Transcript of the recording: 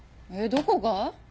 どこが？